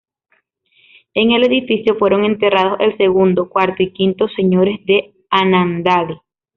En el edificio fueron enterrados el segundo, cuarto y quinto señores de Annandale.